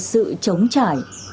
sự chống chảy